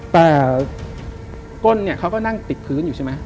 แต่ก้นเนี่ยเขาก็นั่งติดพื้นอยู่ใช่ไหม